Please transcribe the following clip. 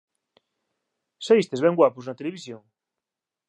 Saístes ben guapos na televisión